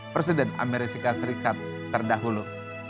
presiden amerika serikat terdahulu